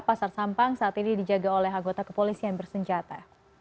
pasar sampang saat ini dijaga oleh anggota kepolisian bersenjata